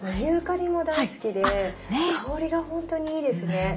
ユーカリも大好きで香りが本当にいいですね。